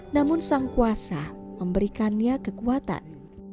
namun sang kuasa memberikannya kekuatan